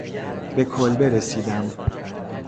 به کلبه رسیدم.